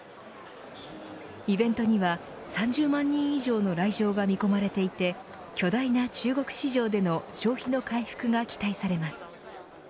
イベントには３０万人以上の来場が見込まれていて巨大な中国市場での消費の回復が期待されます。